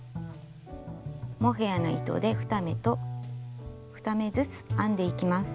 モヘアの糸で２目と２目ずつ編んでいきます。